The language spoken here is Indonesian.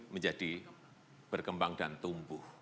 menjadi berkembang dan tumbuh